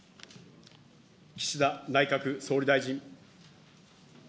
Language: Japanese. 岸田内閣総理大臣。